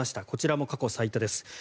こちらも過去最多です。